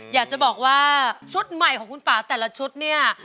อยากจะบอกว่าชุดใหม่ของคุณป่าแต่ละชุดเนี่ย